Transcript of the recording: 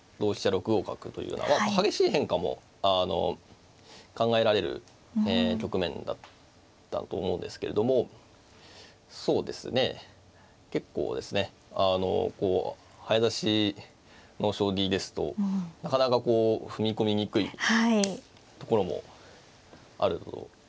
６五角というような激しい変化もあの考えられる局面だったと思うんですけれどもそうですね結構ですねこう早指しの将棋ですとなかなかこう踏み込みにくいところもあると。